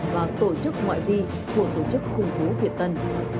và tổ chức ngoại vi của tổ chức khủng bố việt tân